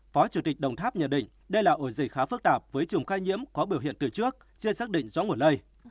phó chủ tịch đồng tháp nhận định đây là ổ dịch khá phức tạp với chủng ca nhiễm có biểu hiện từ trước chưa xác định rõ nguồn lây